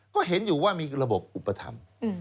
ก็เห็นอยู่ว่ามีระบบอุปถัมภ์